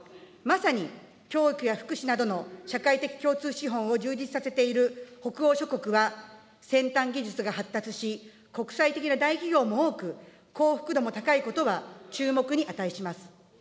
まさに、教育や福祉などの社会的共通資本を充実させている北欧諸国は、先端技術が発達し、国際的な大企業も多く、幸福度も高いことは注目に値します。